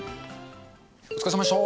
お疲れさまでした。